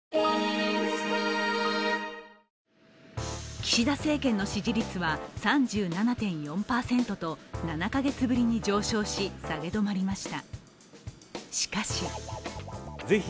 岸田政権の支持率は３７．４％と７か月ぶりに上昇し下げ止まりました。